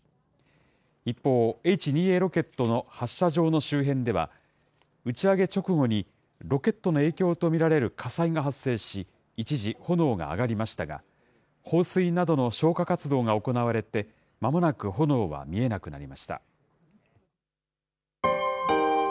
一方、Ｈ２Ａロケットの発射場の周辺では、打ち上げ直後にロケットの影響と見られる火災が発生し、一時、炎が上がりましたが、放水などの消火活動が行われて、まもなく炎は見えなくなりました。